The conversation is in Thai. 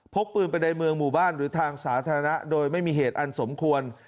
พกปืนไปในเมืองหมู่บ้านหรือทางสาธารณะโดยไม่มีเหตุอันสมควร